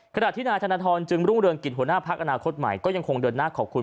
ขณะที่นายธนทรจึงรุ่งเรืองกิจหัวหน้าพักอนาคตใหม่ก็ยังคงเดินหน้าขอบคุณ